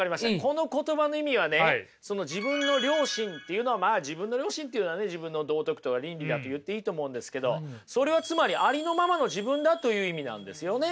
この言葉の意味はねその自分の良心っていうのはまあ自分の良心っていうのはね自分の道徳とか倫理だって言っていいと思うんですけどそれはつまりありのままの自分だという意味なんですよね。